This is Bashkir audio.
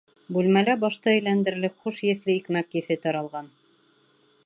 Бүлмәлә башты әйләндерерлек хуш еҫле икмәк еҫе таралған.